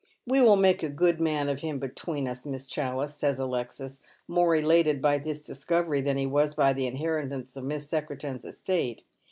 " We will make a good man of him between us. Miss Challice," says Alexis, more elated by this discovery than he was by the A Father's Claim. 279 inheritance of Miss Secretan's estate.